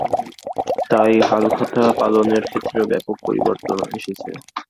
তাই হালখাতা পালনের ক্ষেত্রেও ব্যাপক পরিবর্তন এসেছে।